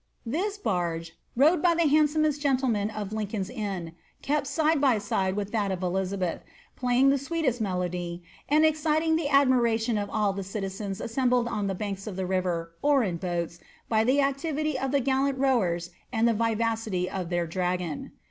This barge, rowed by the handsomest' I fenliciRen of Lincoln's Inn, kept side by side with that of Elizabettaf ] (tlaytng the sweetest melody, and eiciting the admiration of all the cilk< , tarn ■werobled on the banks of the river, or in boal^ by the activity of the nlloot rowers and the vivacity ol' their dragon.